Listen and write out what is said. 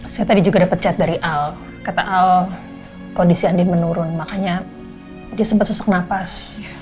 saya tadi juga dapet chat dari al kata al kondisi andien menurun makanya dia sempet sesek napas